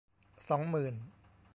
สองหมื่น